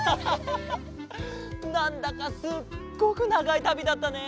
なんだかすっごくながいたびだったね。